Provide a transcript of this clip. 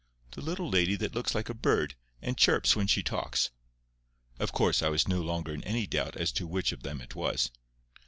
"The little lady that looks like a bird, and chirps when she talks." Of course I was no longer in any doubt as to which of them it was.